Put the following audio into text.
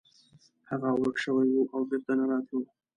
هغه ورک شوی و او بیرته نه راتلو.